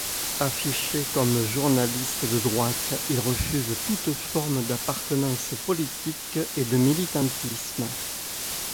Affiché comme journaliste de droite, il refuse toute forme d'appartenance politique et de militantisme.